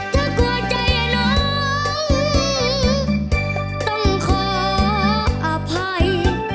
ถ้ากลัวใจน้องต้องขออภัย